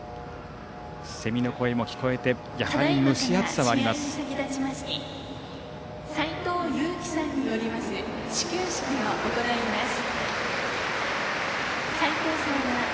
セミの声も聞こえてやはり蒸し暑さがあります。